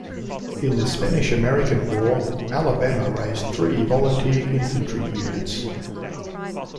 In the Spanish-American War, Alabama raised three volunteer infantry units.